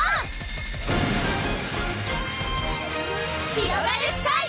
ひろがるスカイ！